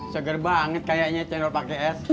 segar banget kayaknya cendol pake es